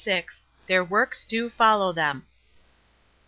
"THEIR WORKS DO FOLLOW THEM."